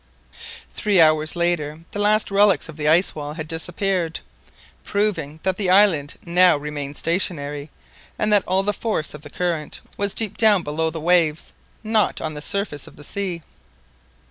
Three hours later the last relics of the ice wall had disappeared, proving that the island now remained stationary, and that all the force of the current was deep down below the waves, not on the surface of the sea.